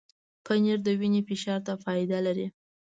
پنېر د وینې فشار ته فایده لري.